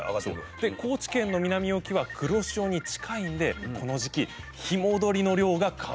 で高知県の南沖は黒潮に近いんでこの時期日戻りの漁が可能と。